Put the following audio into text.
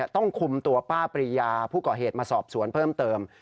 ต้องคุมตัวป้าปรียาผู้ก่อเหตุมาสอบสวนเพิ่มเติม